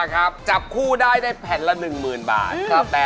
ขอบคุณค่ะ